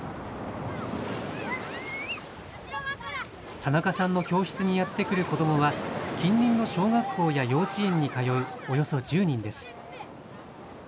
田中さんの教室にやって来る子どもは、近隣の小学校や幼稚園に通うおよそ１０人です。